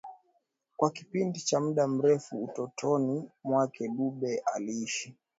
Kwa kipindi cha muda mrefu utotoni mwake Dube aliishi